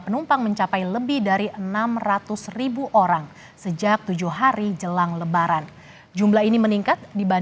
penumpang mencapai lebih dari enam ratus orang sejak tujuh hari jelang lebaran jumlah ini meningkat